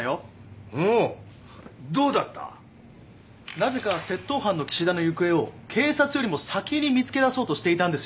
なぜか窃盗犯の岸田の行方を警察よりも先に見つけ出そうとしていたんですよ。